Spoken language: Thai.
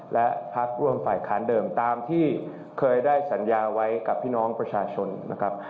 และพักร่วมฝ่ายค้านเดิมตามที่เคยได้สัญญาไว้กับพี่น้องประชาชนนะครับ